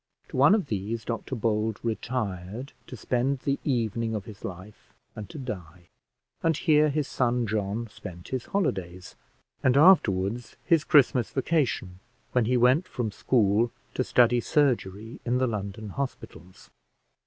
To one of these Dr Bold retired to spend the evening of his life, and to die; and here his son John spent his holidays, and afterwards his Christmas vacation when he went from school to study surgery in the London hospitals.